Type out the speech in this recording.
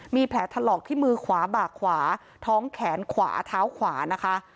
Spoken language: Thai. มีแผลถลอกที่มือขวาบากขวาท้องแขนขวาเท้าขวานะคะ